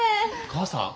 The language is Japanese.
母さん！？